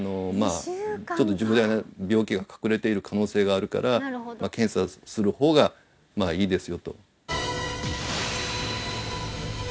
重大な病気が隠れている可能性があるから検査をする方がいいですよと